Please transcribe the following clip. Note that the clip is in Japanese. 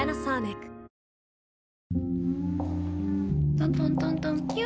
トントントントンキュ。